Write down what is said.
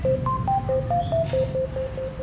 sampai jumpa di video selanjutnya